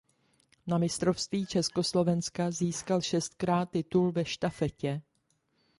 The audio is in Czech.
Na mistrovství Československa získal šestkrát titul ve štafetě.